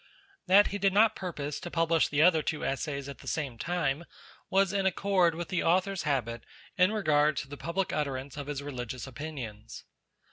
That he did not purpose to publish the other two Essays at the same time, was in accord with the Author's habit in regard to the public utterance of his religious opinions.